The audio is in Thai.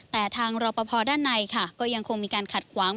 แต่ทางรอปภด้านในค่ะก็ยังคงมีการขัดขวาง